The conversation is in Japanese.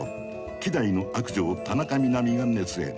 希代の悪女を田中みな実が熱演。